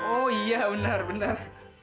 oh iya benar benar